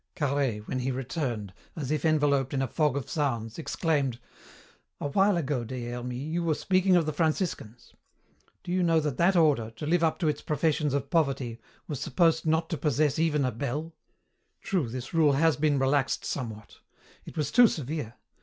Carhaix, when he returned, as if enveloped in a fog of sounds, exclaimed, "A while ago, Des Hermies, you were speaking of the Franciscans. Do you know that that order, to live up to its professions of poverty, was supposed not to possess even a bell? True, this rule has been relaxed somewhat. It was too severe!